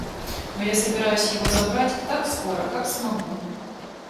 Но я собираюсь его забрать так скоро, как смогу.